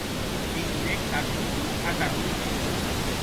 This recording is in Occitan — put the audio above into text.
Li didec Carloto a Carlota.